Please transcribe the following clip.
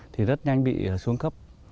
thì rất nhanh bị xuống cấp